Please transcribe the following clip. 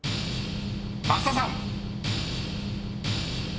［増田さん］